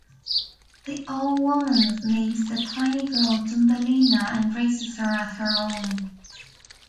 The old woman names the tiny girl Thumbelina and raises her as her own.